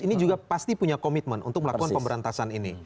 ini juga pasti punya komitmen untuk melakukan pemberantasan ini